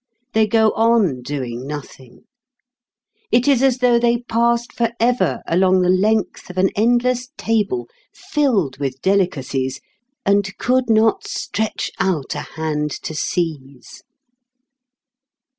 They go on doing nothing. It is as though they passed for ever along the length of an endless table filled with delicacies, and could not stretch out a hand to seize.